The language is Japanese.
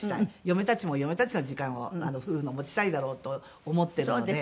嫁たちも嫁たちの時間を夫婦の持ちたいだろうと思ってるので。